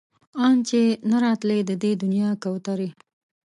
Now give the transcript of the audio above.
ان چې نه راتلی د دې دنيا کوترې